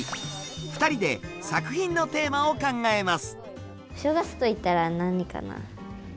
２人で作品のテーマを考えます。